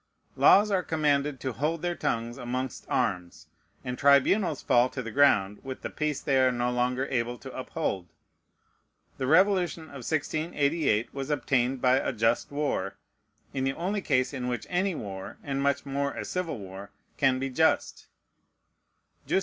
Laws are commanded to hold their tongues amongst arms; and tribunals fall to the ground with the peace they are no longer able to uphold. The Revolution of 1688 was obtained by a just war, in the only case in which any war, and much more a civil war, can be just.